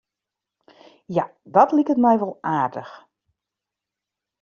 Ja, dat liket my wol aardich.